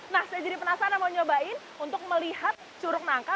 nah saya jadi penasaran mau nyobain untuk melihat curug nangka